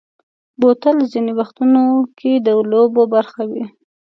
بوتل ځینې وختو کې د لوبو برخه وي.